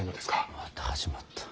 また始まった。